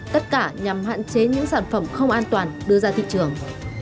tất cả nhằm hạn chế những sản phẩm không an toàn đưa ra thị trường